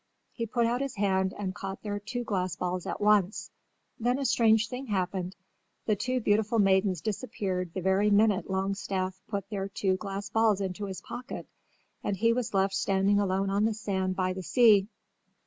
He put out his hand and caught their two glass balls at once. Then a strange thing happened. The two beautiful maidens disappeared the very minute Longstaff put their two glass balls into his pocket, and he was left standing alone on the sand by the sea.